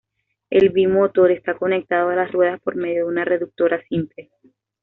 El bi-motor está conectado a las ruedas por medio de una reductora simple.